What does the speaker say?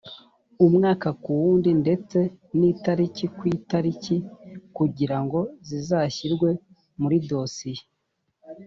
umwaka ku wundi ndetse n itariki ku itariki kugira ngo zizashyirwe muri dosiye